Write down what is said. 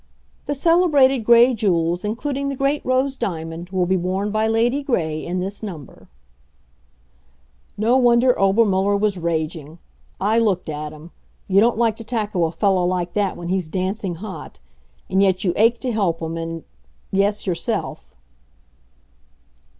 The celebrated Gray jewels, including the great Rose Diamond, will be worn by Lady Gray in this number. No wonder Obermuller was raging. I looked at him. You don't like to tackle a fellow like that when he's dancing hot. And yet you ache to help him and yes, yourself.